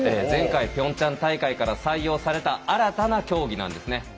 前回ピョンチャン大会から採用された新たな競技なんですね。